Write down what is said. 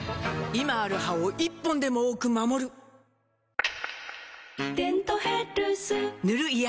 今ある歯を１本でも多く守る「デントヘルス」塗る医薬品も